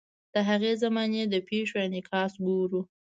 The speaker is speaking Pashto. د هغې زمانې د پیښو انعکاس ګورو.